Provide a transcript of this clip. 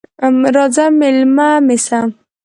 راځه مېلمه مې سه!